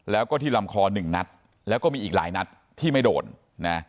แล้วก็ที่ลำคอหนึ่งนัดแล้วก็มีอีกหลายนัดที่ไม่โดนนะ